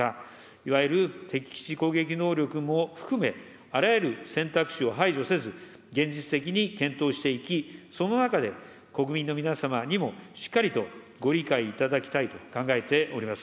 いわゆる敵基地攻撃能力も含め、あらゆる選択肢を排除せず、現実的に検討していき、その中で国民の皆様にもしっかりとご理解いただきたいと考えております。